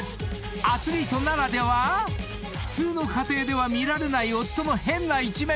［アスリートならでは⁉普通の家庭では見られない夫の変な一面を告白！